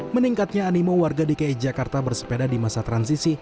meningkatnya animo warga dki jakarta bersepeda di masa transisi